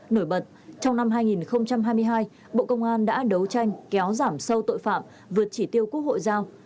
nổi bật trong năm hai nghìn hai mươi hai bộ công an đã đấu tranh kéo giảm sâu tội phạm vượt chỉ tiêu quốc hội giao